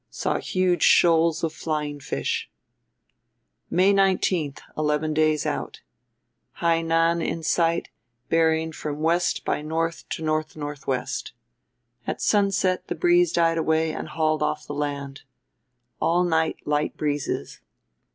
Saw huge shoals of flying fish." "May 19, 11 days out. Hainan in sight, bearing from W by N to NNW. At sunset the breeze died away and hauled off the land. All night light breezes.